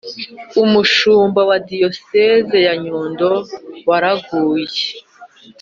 umushumba wa diyosezi ya nyundo waraguye